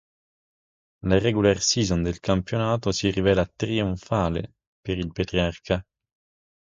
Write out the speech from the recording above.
La "regular season" del campionato si rivela trionfale per il Petrarca.